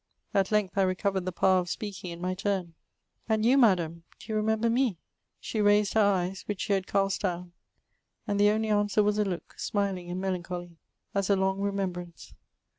At length I recovered the power of speidang in my turn :^' And you, Madam, do you remember me ? She raised her eyes, which she had cast down, and the only answer was a look, smiling and melancholy, as a long remembrance.